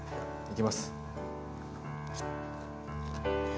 いきます。